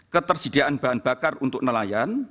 ketersediaan bahan bakar untuk nelayan